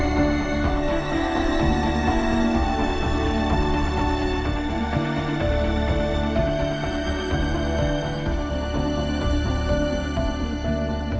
โปรดติดตามตอนต่อไป